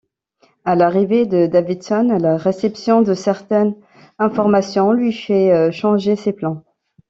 À l'arrivée de Davidson, la réception de certaines informations lui fait changer ses plans.